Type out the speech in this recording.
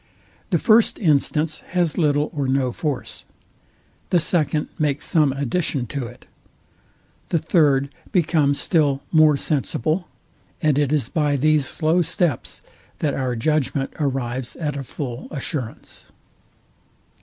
The first instance has little or no force: The second makes some addition to it: The third becomes still more sensible; and it is by these slow steps, that our judgment arrives at a full assurance.